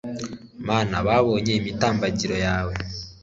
mana, babonye imitambagiro yawe